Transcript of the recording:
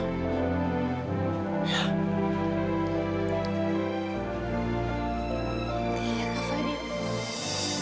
iya kak fadil